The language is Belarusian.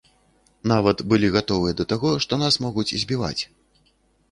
Нават былі гатовыя да таго, што нас могуць збіваць.